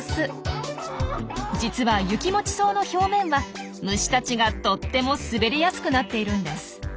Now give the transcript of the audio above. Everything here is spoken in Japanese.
実はユキモチソウの表面は虫たちがとっても滑りやすくなっているんです。